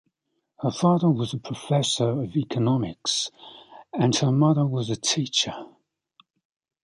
Her father was a professor of economics and her mother was a teacher.